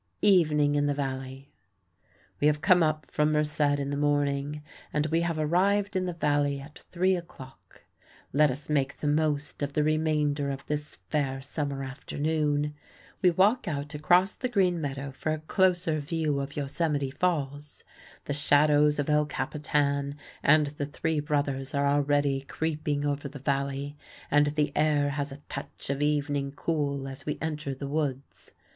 Evening in the Valley We have come up from Merced in the morning, and we have arrived in the Valley at three o'clock. Let us make the most of the remainder of this fair summer afternoon. We walk out across the green meadow for a closer view of Yosemite Falls. The shadows of El Capitan and the Three Brothers are already creeping over the valley, and the air has a touch of evening cool as we enter the woods.